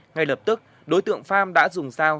ngay lập tức đối tượng pham đã dùng sao